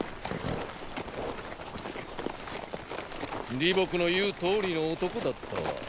李牧の言うとおりの男だったわ。